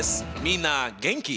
みんな元気？